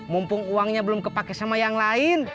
mumpung uangnya belum kepake sama yang lain